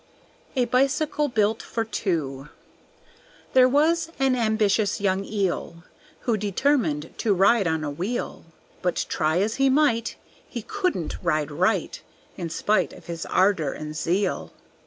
A Bicycle built for Two There was an ambitious young eel Who determined to ride on a wheel; But try as he might, He couldn't ride right, In spite of his ardor and zeal.